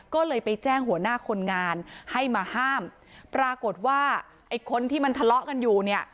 ก็เลยไปแจ้งหัวหน้าคนงานให้มาห้ามปรากฏว่าไอ้คนที่มันทะเลาะกันอยู่เนี่ย